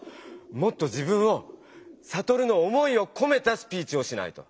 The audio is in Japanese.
もっと自分をサトルの思いをこめたスピーチをしないと！